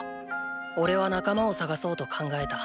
おれは仲間を探そうと考えた。